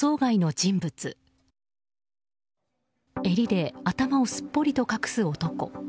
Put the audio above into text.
襟で頭をすっぽりと隠す男。